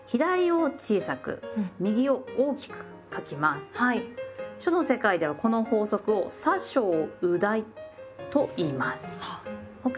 書の世界ではこの法則を「左小右大」と言います。